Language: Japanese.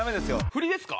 振りですか？